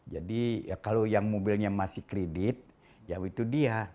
jadi kalau yang mobilnya masih kredit ya itu dia